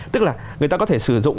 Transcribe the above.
tức là người ta có thể sử dụng